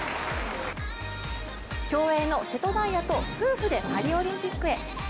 競泳の瀬戸大也と夫婦でパリオリンピックへ。